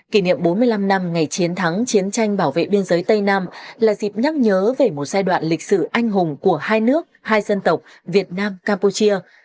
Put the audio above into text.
kỷ niệm bốn mươi năm năm ngày chiến thắng chiến tranh bảo vệ biên giới tây nam là dịp nhắc nhớ về một giai đoạn lịch sử anh hùng của hai nước hai dân tộc việt nam campuchia